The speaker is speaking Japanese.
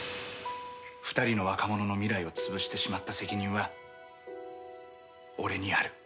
２人の若者の未来を潰してしまった責任は俺にある。